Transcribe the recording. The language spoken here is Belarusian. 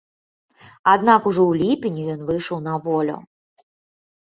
Аднак ужо ў ліпені ён выйшаў на волю.